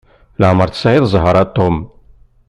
Leɛmeṛ tesɛiḍ zzheṛ a Tom.